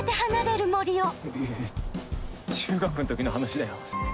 中学のときの話だよ。